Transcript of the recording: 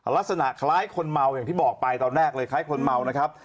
ลักษณะคล้ายคนเมาอย่างที่บอกไปตอนแรกเลยคล้ายคนเมานะครับ